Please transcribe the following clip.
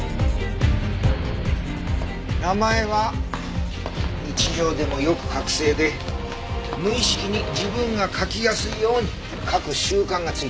名前は日常でもよく書くせいで無意識に自分が書きやすいように書く習慣がついてしまっている。